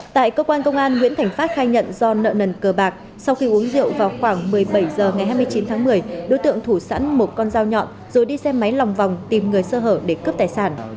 tại cơ quan công an nguyễn thành phát khai nhận do nợ nần cờ bạc sau khi uống rượu vào khoảng một mươi bảy h ngày hai mươi chín tháng một mươi đối tượng thủ sẵn một con dao nhọn rồi đi xe máy lòng vòng tìm người sơ hở để cướp tài sản